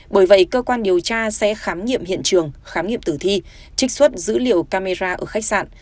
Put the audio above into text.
bởi vậy cơ quan điều tra sẽ khám nghiệm hiện trường khám nghiệm tử thi trích xuất dữ liệu camera ở khách sạn